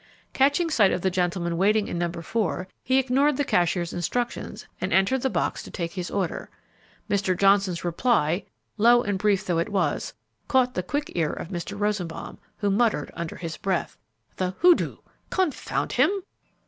Catching sight of the gentleman waiting in No. 4, he ignored the cashier's instructions and entered the box to take his order. Mr. Johnson's reply, low and brief though it was, caught the quick ear of Mr. Rosenbaum, who muttered under his breath, "The hoodoo! confound him!"